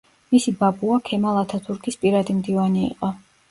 მისი ბაბუა ქემალ ათათურქის პირადი მდივანი იყო.